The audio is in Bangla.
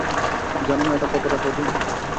জানো না এটা কতোটা কঠিন।